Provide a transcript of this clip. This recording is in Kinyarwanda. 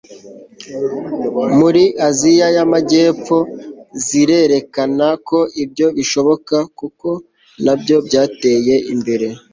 muri aziya y'amajyepfo zirerekana ko ibyo bishoboka kuko nabyo byateye imbere